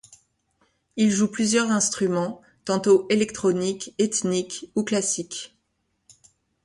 Il joue plusieurs instruments, tantôt électroniques, ethniques ou classiques.